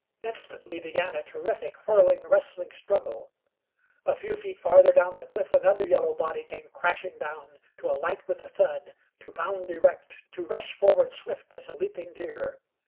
Instantly began a terrific, whirling, wrestling struggle. A few feet farther down the cliff another yellow body came crashing down to alight with a thud, to bound erect, to rush forward swift as a leaping deer.